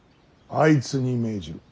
あいつに命じる。